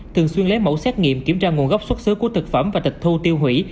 thường xuyên lấy mẫu xét nghiệm kiểm tra nguồn gốc xuất xứ của thực phẩm và tịch thu tiêu hủy